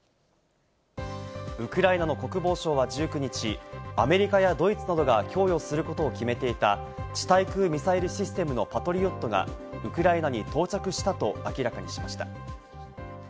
ウクライナの国防相は１９日、アメリカやドイツなどが供与することを決めていた地対空ミサイルシステムの「パトリオット」がウクライナに到着したと明らかにしました。